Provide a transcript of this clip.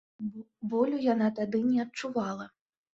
Болю яна тады не адчувала.